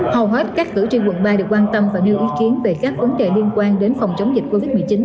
hầu hết các cử tri quận ba đều quan tâm và nêu ý kiến về các vấn đề liên quan đến phòng chống dịch covid một mươi chín